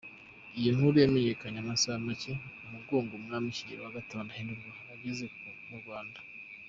Iyo nkuru yamenyekanye amasaha make umugogo w’umwami Kigeli V Ndahindurwa ugeze mu Rwanda.